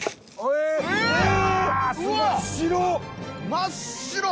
真っ白！